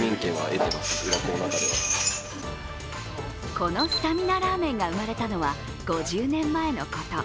このスタミナラーメンが生まれたのは５０年前のこと。